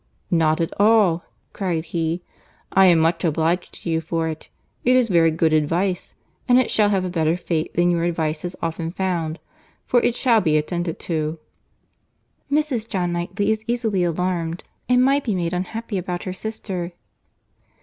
"Not at all," cried he; "I am much obliged to you for it. It is very good advice, and it shall have a better fate than your advice has often found; for it shall be attended to." "Mrs. John Knightley is easily alarmed, and might be made unhappy about her sister."